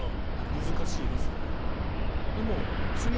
「難しいです」と。